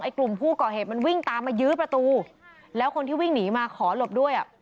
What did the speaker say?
กลุ่มผู้ก่อเหตุมันวิ่งตามมายื้อประตูแล้วคนที่วิ่งหนีมาขอหลบด้วยอ่ะ